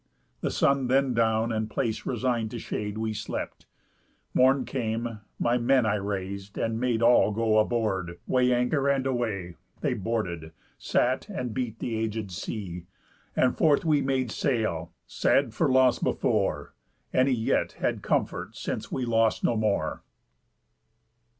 The sun then down, and place resign'd to shade, We slept. Morn came, my men I rais'd, and made All go aboard, weigh anchor, and away. They boarded, sat, and beat the aged sea; And forth we made sail, sad for loss before, Any yet had comfort since we lost no more."